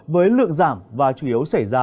với lượng giảm và chủ yếu xảy ra